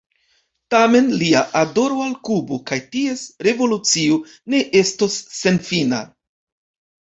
Tamen lia adoro al Kubo kaj ties revolucio ne estos senfina.